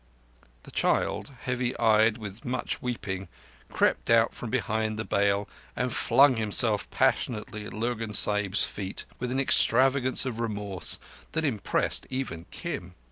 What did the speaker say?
The child, heavy eyed with much weeping, crept out from behind the bale and flung himself passionately at Lurgan Sahib's feet, with an extravagance of remorse that impressed even Kim.